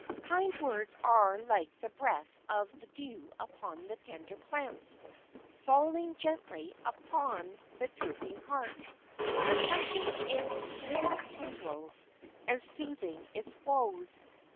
Kind words are like the breath of the dew upon the tender plants, falling gently upon the drooping heart, refreshing its withered tendrils, and soothing its woes.